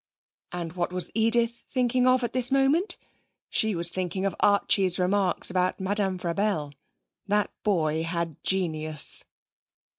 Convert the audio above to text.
And what was Edith thinking of at this moment? She was thinking of Archie's remarks about Madame Frabelle. That boy had genius!